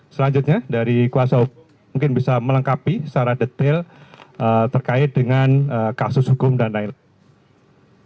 selanjutnya dari kuasa hukum mungkin bisa melengkapi secara detail terkait dengan kasus hukum dan lain lain